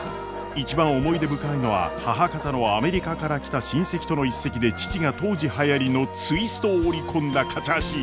一番思い出深いのは母方のアメリカから来た親戚との一席で父が当時はやりのツイストを織り込んだカチャーシー。